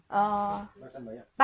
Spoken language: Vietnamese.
ba trăm bảy mươi cô ạ